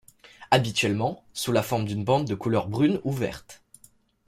Habituellement sous la forme d'une bande de couleur brune ou verte.